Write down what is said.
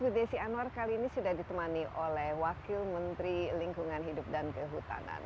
with desi anwar kali ini sudah ditemani oleh wakil menteri lingkungan hidup dan kehutanan